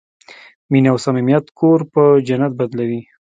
مینه او صمیمیت کور په جنت بدلوي.